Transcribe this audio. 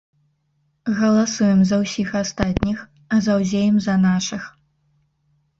Галасуем за ўсіх астатніх, а заўзеем за нашых.